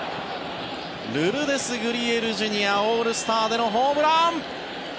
ルルデス・グリエルＪｒ．オールスターでのホームラン！